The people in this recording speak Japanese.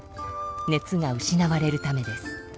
熱が失われるためです。